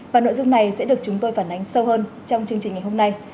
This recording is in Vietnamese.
và nội dung này sẽ được chúng tôi phản ánh sâu hơn trong chương trình ngày hôm nay